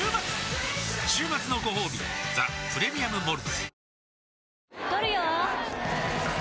週末のごほうび「ザ・プレミアム・モルツ」